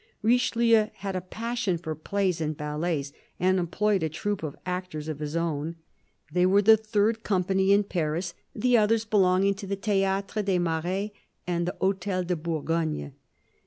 Richelieu had a passion for plays and ballets, and employed a troup of actors of his own. They were the third company in Paris, the others belonging to the Theatre des Marais and the H6tel de Bourgogne.